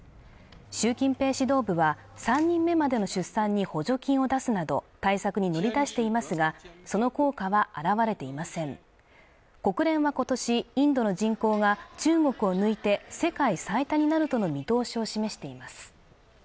習近平指導部は３人目までの出産に補助金を出すなど対策に乗り出していますがその効果は表れていません国連はことしインドの人口が中国を抜いて世界最多になるとの見通しを示しています